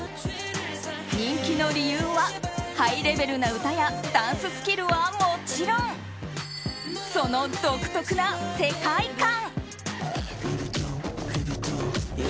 人気の理由はハイレベルな歌やダンススキルはもちろんその独特な世界観。